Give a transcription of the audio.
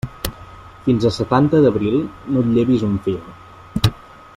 Fins a setanta d'abril no et llevis un fil.